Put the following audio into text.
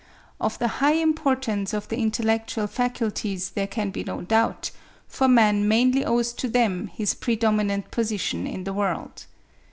Of the high importance of the intellectual faculties there can be no doubt, for man mainly owes to them his predominant position in the world.